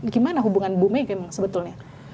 gimana hubungan bu mega sebetulnya